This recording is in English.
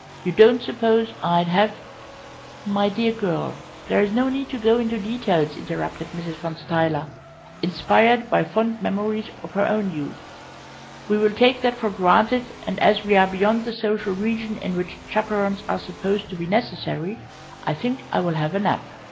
You don't suppose I'd have " "My dear girl, there's no need to go into details," interrupted Mrs. Van Stuyler, inspired by fond memories of her own youth; "we will take that for granted, and as we are beyond the social region in which chaperons are supposed to be necessary, I think I will have a nap."